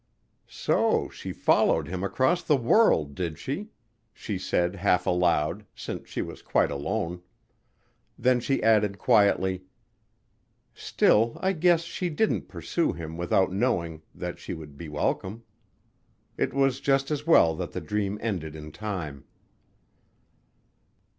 "So she followed him across the world, did she?" she said half aloud, since she was quite alone. Then she added quietly: "Still I guess she didn't pursue him without knowing that she would be welcome. It was just as well that the dream ended in time."